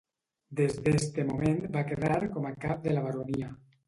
Des d'este moment va quedar com a cap de la baronia